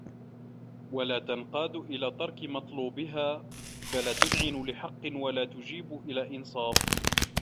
وَلَا تَنْقَادُ إلَى تَرْكِ مَطْلُوبِهَا ، فَلَا تُذْعِنُ لِحَقٍّ وَلَا تُجِيبُ إلَى إنْصَافٍ